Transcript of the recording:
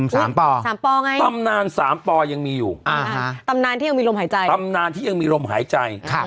สามปตำนานสามปยังมีอยู่ตำนานที่ยังมีลมหายใจ